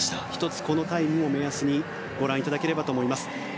１つ、このタイムを目安にご覧いただければと思います。